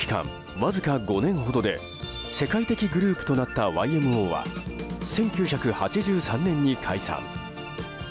わずか５年ほどで世界的グループとなったＹＭＯは１９８３年に解散。